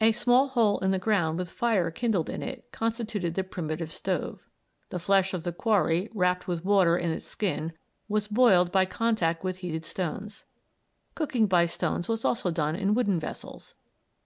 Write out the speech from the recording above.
A small hole in the ground with fire kindled in it constituted the primitive stove. The flesh of the quarry, wrapped with water in its skin, was boiled by contact with heated stones. Cooking by stones was also done in wooden vessels.